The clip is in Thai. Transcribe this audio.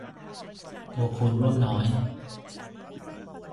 ตัวคูณร่วมน้อย